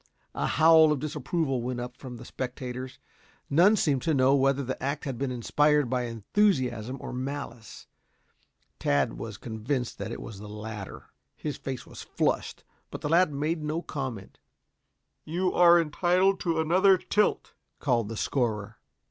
A howl of disapproval went up from the spectators. None seemed to know whether the act had been inspired by enthusiasm or malice. Tad was convinced that it was the latter. His face was flushed, but the lad made no comment. "You are entitled to another tilt," called the scorer.